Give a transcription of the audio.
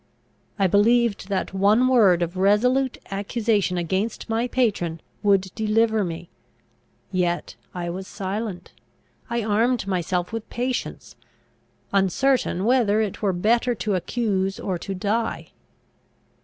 I believed that one word of resolute accusation against my patron would deliver me; yet I was silent, I armed myself with patience, uncertain whether it were better to accuse or to die.